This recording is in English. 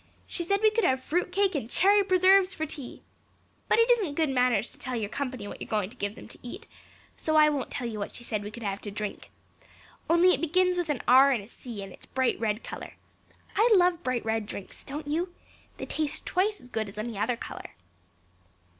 She said we could have fruit cake and cherry preserves for tea. But it isn't good manners to tell your company what you are going to give them to eat, so I won't tell you what she said we could have to drink. Only it begins with an R and a C and it's bright red color. I love bright red drinks, don't you? They taste twice as good as any other color."